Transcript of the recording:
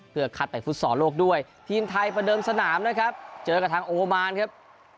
เพื่อคัดไปฟุตซอลโลกด้วยทีมไทยประเดิมสนามนะครับเจอกับทางโอมานครับ